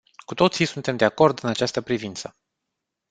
Cu toții suntem de acord în această privință.